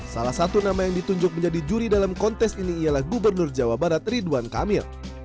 salah satu nama yang ditunjuk menjadi juri dalam kontes ini ialah gubernur jawa barat ridwan kamil